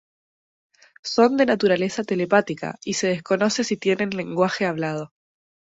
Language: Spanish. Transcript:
Son de naturaleza telepática, y se desconoce si tienen lenguaje hablado.